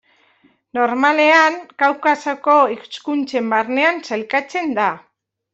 Normalean, Kaukasoko hizkuntzen barnean sailkatzen da.